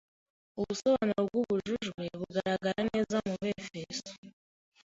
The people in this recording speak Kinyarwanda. ubusobanuro bw"uwujujwe" bugaragara neza mu Befeso